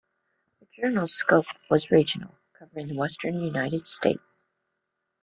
The journal's scope was regional, covering the western United States.